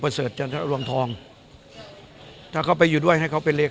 ประเสริฐจันทรรวงทองถ้าเขาไปอยู่ด้วยให้เขาเป็น